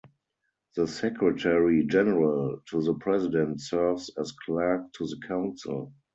The Secretary-General to the President serves as clerk to the Council.